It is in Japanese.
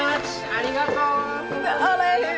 ありがとう！